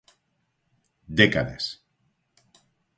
Décadas.